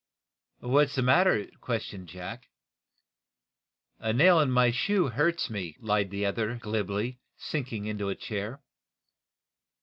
"What's the matter?" questioned Jack. "A nail in my shoe hurts me," lied the other, glibly, sinking into a chair.